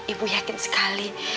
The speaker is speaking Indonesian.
ibu yakin sekali